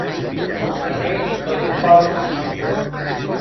Aquest és un pas decisiu.